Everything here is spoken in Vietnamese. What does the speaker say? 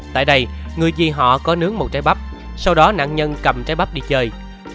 tại đây người gì họ có nướng một trái bắp sau đó nạn nhân cầm trái bắp đi chơi